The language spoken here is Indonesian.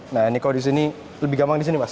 nah ini kalau di sini lebih gampang di sini mas